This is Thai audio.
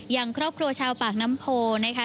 อย่างครอบครัวชาวปากน้ำโพนะคะ